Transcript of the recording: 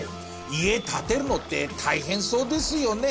家建てるのって大変そうですよね？